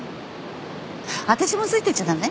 私もついていっちゃ駄目？